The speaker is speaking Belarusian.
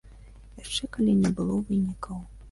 Яшчэ калі не было вынікаў.